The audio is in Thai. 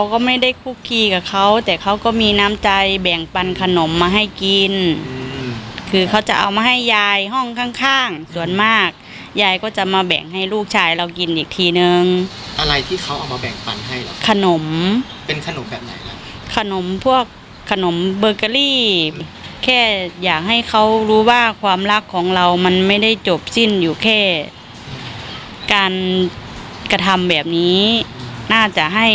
คือเค้าจะเอามาให้ยายห้องข้างส่วนมากยายก็จะมาแบ่งให้ลูกชายเรากินอีกทีนึงอะไรที่เขาเอามาแบ่งปันให้ขนมเป็นขนมแบบไหนขนมพวกขนมเบอร์เกอรี่แค่อยากให้เขารู้ว่าความรักของเรามันไม่ได้จบสิ้นอยู่แค่การกระทำแบบนี้น่าจะให